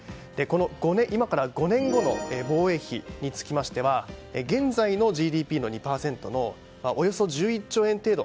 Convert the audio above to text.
今から５年後の防衛費につきましては現在のＧＤＰの２％のおよそ１１兆円程度